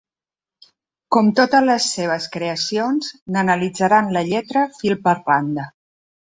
Com totes les seves creacions, n’analitzaran la lletra fil per randa.